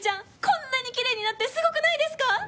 こんなにきれいになってすごくないですか？